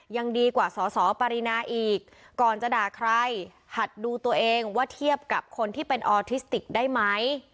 ยังดีกว่าสอสอปรินาอีกก่อนจะด่าใครหัดดูตัวเองว่าเทียบกับคนที่เป็นออทิสติกได้ไหม